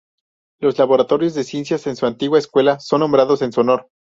Los laboratorios de ciencias en su antigua escuela son nombrados en su honor.